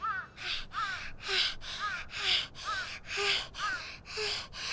はあはあはあはあ。